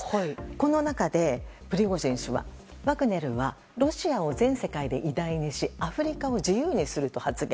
この中でプリゴジン氏はワグネルはロシアを全世界で偉大にしアフリカを自由にすると発言。